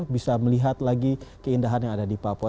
bisa melihat lagi keindahan yang ada di papua